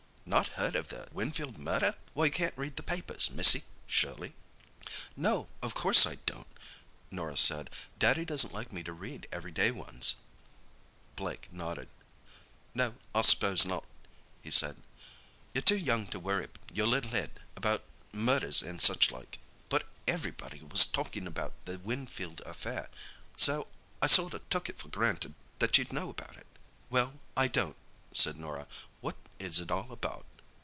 "Not heard of the Winfield murder! Why, you can't read the papers, missy, surely?" "No; of course I don't," Norah said. "Daddy doesn't like me to read everyday ones." Blake nodded. "No, I s'pose not," he said. "You're too young to worry your little head about murders and suchlike. But everybody was talkin' about the Winfield affair, so I sorter took it for granted that you'd know about it." "Well, I don't," said Norah. "What is it all about?"